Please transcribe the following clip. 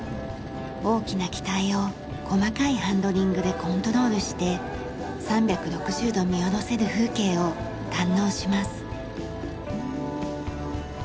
大きな機体を細かいハンドリングでコントロールして３６０度見下ろせる風景を堪能します。